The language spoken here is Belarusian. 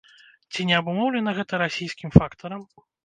Ці не абумоўлена гэта расійскім фактарам?